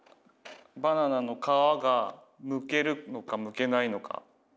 バナナの皮がむけるのかむけないのか。